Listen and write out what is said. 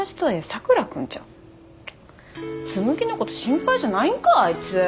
紬のこと心配じゃないんかあいつ。